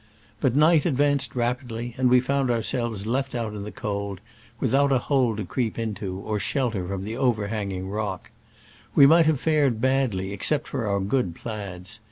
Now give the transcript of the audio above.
But night advanced rap idly, and we found ourselves left out in the cold, without a hole to creep into or shelter from overhanging rock. We might have fared badly except for our good plaids.